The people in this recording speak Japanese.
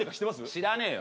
知らねえよ